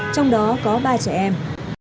trong đó có ba trẻ em